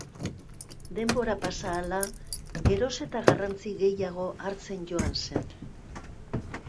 Denbora pasa ahala, geroz eta garrantzi gehiago hartzen joan zen.